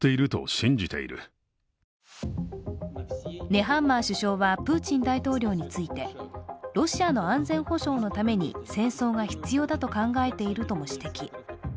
ネハンマー首相はプーチン大統領について、ロシアの安全保障のために戦争が必要だと考えているとも指摘。